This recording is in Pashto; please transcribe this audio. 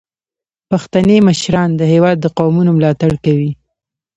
پښتني مشران د هیواد د قومونو ملاتړ کوي.